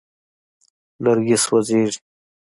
لرګي سوځېږي.